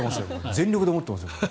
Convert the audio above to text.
全力で思ってますよ。